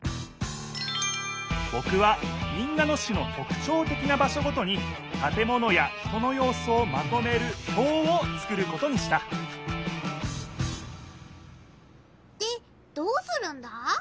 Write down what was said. ぼくは民奈野市のとくちょうてきな場所ごとにたて物や人のようすをまとめるひょうを作ることにしたでどうするんだ？